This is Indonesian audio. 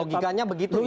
logikanya begitu ya